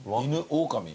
オオカミ？